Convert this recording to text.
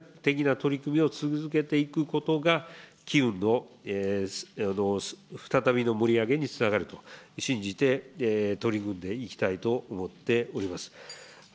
こうした機会を捉えて、こうした文書に基づいて、具体的な取り組みを続けていくことが、機運の再びの盛り上げにつながると信じて取り組んでいきたいと思っております。